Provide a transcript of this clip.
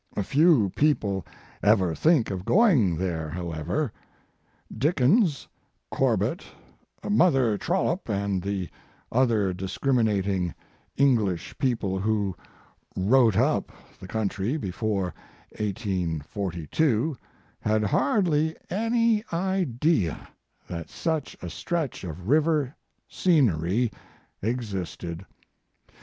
Few people ever think of going there, however. Dickens, Corbett, Mother Trollope and the other discriminating Knglish people who wrote up the country before 1842 had hardly any idea that such a stretch of river scenery ex isted.